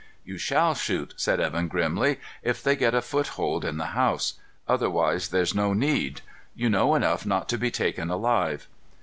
"You shall shoot," said Evan grimly, "if they get a foothold in the house. Otherwise there's no need. You know enough not to be taken alive."